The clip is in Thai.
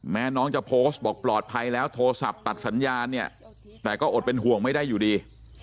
น้องจะโพสต์บอกปลอดภัยแล้วโทรศัพท์ตัดสัญญาณเนี่ยแต่ก็อดเป็นห่วงไม่ได้อยู่ดี